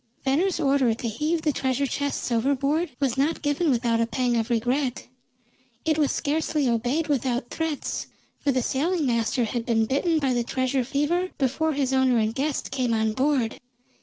Venner's order to heave the treasure chests overboard was not given without a pang of regret. It was scarcely obeyed without threats; for the sailing master had been bitten by the treasure fever before his owner and guest came on board.